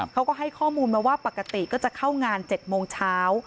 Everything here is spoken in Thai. เขาก็ให้ข้อมูลมาว่าปกติก็จะเข้างาน๗โมงเช้า